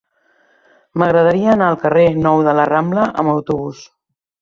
M'agradaria anar al carrer Nou de la Rambla amb autobús.